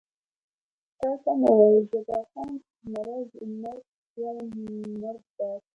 تاسې سمه وایئ، جبار خان: زمري مرده باد، وایم مرده باد.